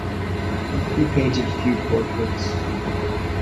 He painted few portraits.